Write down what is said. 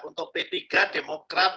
untuk p tiga demokrat